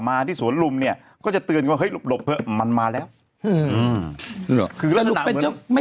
มาที่สวนลุมเนี่ยก็จะตื่นว่าเฮ้ยหลบเพิ่งมันมาแล้วไม่